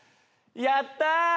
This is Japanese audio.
やったー。